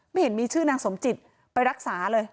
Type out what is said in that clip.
ไม่เห็นมีชื่อนางสมจิตไปรักษาเลย